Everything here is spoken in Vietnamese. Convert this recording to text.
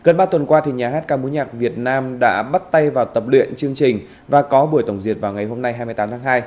nhà hát ca mũ nhạc việt nam đã bắt tay vào tập luyện chương trình và có buổi tổng diệt vào ngày hôm nay hai mươi tám tháng hai